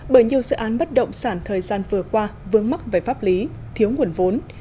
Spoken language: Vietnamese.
bởi nhiều dự án bất động sản thời gian vừa qua vướng mắc về pháp lý thiếu nguồn vốn